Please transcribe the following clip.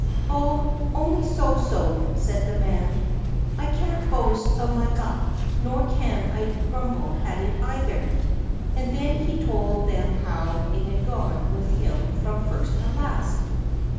"Oh, only so so," said the man. "I can't boast of my luck, nor can I grumble at it either." And then he told them how it had gone with him from first to last.